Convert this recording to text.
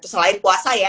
selain puasa ya